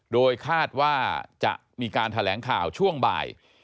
โดยคาดว่าจะมีการแถลงข่าวช่วงบ่าย